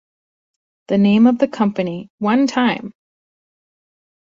The name of the company, one time!